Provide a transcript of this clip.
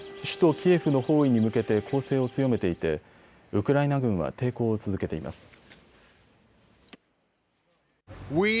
首都キエフの包囲に向けて攻勢を強めていてウクライナ軍は抵抗を続けています。